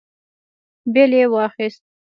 بېل يې واخيست.